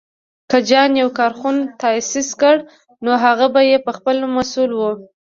که جان يو کارخونه تاسيس کړه، نو هغه به یې پهخپله مسوول و.